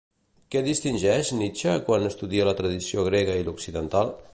Què distingeix Nietzsche quan estudia la tradició grega i l'occidental?